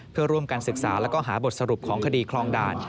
เพื่อร่วมกันศึกษาแล้วก็หาบทสรุปของคดีคลองด่าน